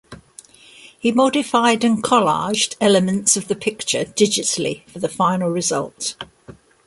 He modified and collaged elements of the picture digitally for the final result.